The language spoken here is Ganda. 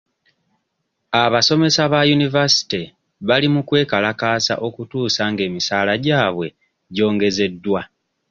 Abasomesa ba yunivasite bali mu kwekalakaasa okutuusa ng'emisaala gyabwe gyongezeddwa.